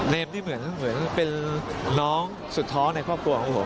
นี่เหมือนเป็นน้องสุดท้อในครอบครัวของผม